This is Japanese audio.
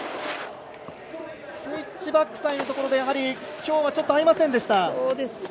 スイッチバックサイドのところでやはり今日はちょっと合いませんでした。